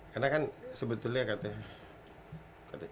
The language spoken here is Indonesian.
karena kan sebetulnya katanya